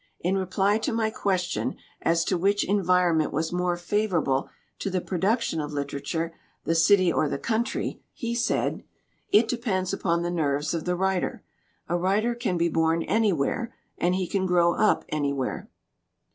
In reply to my question as to which environment was more favorable to the production of literature, the city or the country, he said: "It depends upon the nerves of the writer. A writer can be born anywhere, and he can grow up anywhere."